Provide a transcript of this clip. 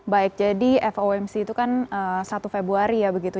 baik jadi fomc itu kan satu februari ya begitu